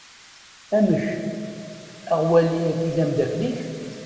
Amek, aɣwali-agi d ameddakel-ik?